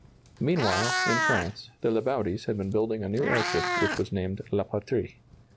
Meanwhile, in France, the Lebaudys had been building a new airship which was named "La Patrie."